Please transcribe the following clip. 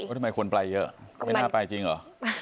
ทำไมคนไปเยอะไม่น่าไปจริงเหรอ